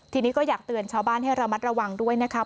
ทีนี้ก็อยากเตือนชาวบ้านให้ระมัดระวังด้วยนะครับ